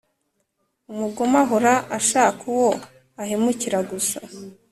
umugome ahora ashaka uwo ahemukira gusa